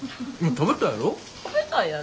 食べたいやろ？